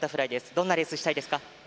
どんなレースをしたいですか？